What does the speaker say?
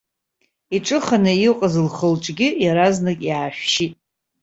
Иҿыханы иҟаз лхы-лҿгьы иаразнак иаашәшьит.